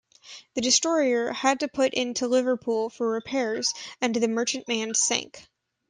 The destroyer had to put into Liverpool for repairs and the merchantman sank.